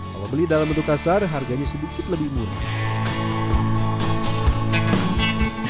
kalau beli dalam bentuk kasar harganya sedikit lebih murah